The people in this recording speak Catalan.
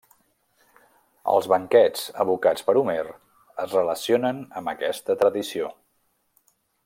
Els banquets evocats per Homer es relacionen amb aquesta tradició.